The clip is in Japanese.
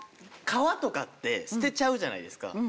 皮とかって捨てちゃうじゃないですか。